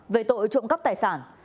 về tội trộm cắp tài sản